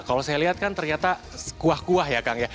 kalau saya lihat kan ternyata kuah kuah ya kang ya